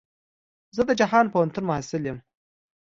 زه د جهان پوهنتون محصل يم.